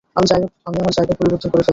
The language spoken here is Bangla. আমি আমার জায়গা পরিবর্তন করে ফেলছি।